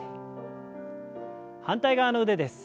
反対側の腕です。